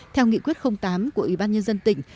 theo nghị quyết tám của ủy ban nhân dân tỉnh